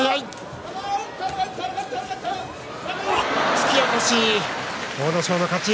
突き落とし、阿武咲の勝ち。